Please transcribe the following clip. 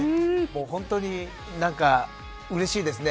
本当に、何かうれしいですね。